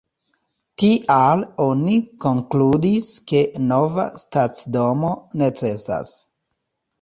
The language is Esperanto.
Tial oni konkludis ke nova stacidomo necesas.